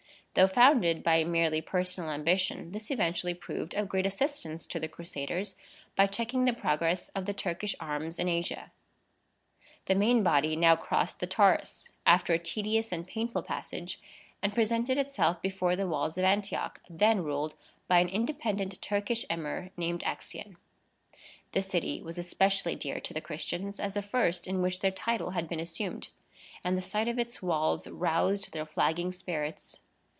Though founded by merely personal ambition, this eventually proved of great assistance to the Crusaders, by checking the progress of the Turkish arms in Asia. The main body now crossed the Taurus, after a tedious and painful passage, and presented itself before the walls of Antioch, then ruled by an independent Turkish emir named Accien. This city was especially dear to the Christians, as the first in which their title had been assumed; and the sight of its walls roused their flagging spirits.